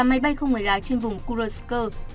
tám máy bay không người lái trên vùng kurochka